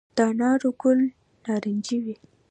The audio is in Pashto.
د انارو ګل نارنجي وي؟